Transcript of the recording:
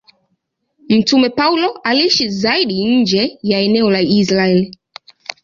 Mtume Paulo aliishi zaidi nje ya eneo la Israeli.